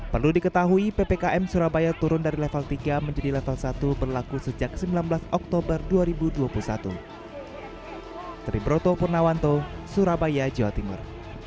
perlu diketahui ppkm surabaya turun dari level tiga menjadi level satu berlaku sejak sembilan belas oktober dua ribu dua puluh satu